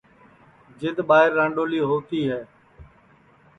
جِد ٻائیر رانڏولی ہووتی ہے